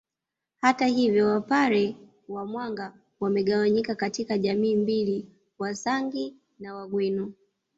Hata hivyo Wapare wa Mwanga wamegawanyika katika jamii mbili Wasangi na Wagweno